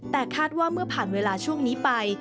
แต่คาดว่าเมื่อผ่านเวลาช่วงนี้ไป